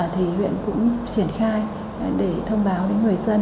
thì huyện cũng triển khai để thông báo đến người dân